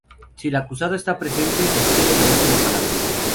Si el Acusado está presente, recibe la última Palabra.